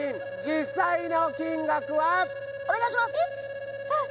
実際の金額はお願いします！